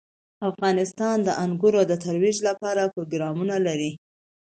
افغانستان د انګور د ترویج لپاره پروګرامونه لري.